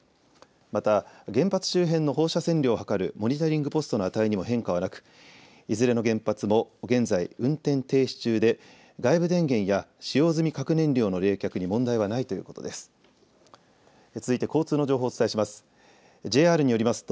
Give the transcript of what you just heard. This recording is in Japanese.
また原発周辺の放射線量を測るモニタリングポストの値にも変化はなくいずれの原発も現在、運転停止中で外部電源や使用済み核燃料の冷却に問題はないということです。